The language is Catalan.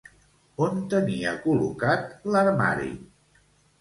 On tenia col·locat l'armari?